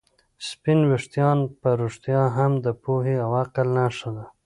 سپین ویښتان په رښتیا هم د پوهې او عقل نښه ده.